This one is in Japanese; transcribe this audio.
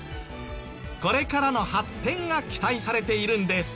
これからの発展が期待されているんです。